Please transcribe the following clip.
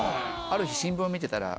ある日新聞を見てたら。